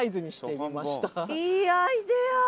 いいアイデア！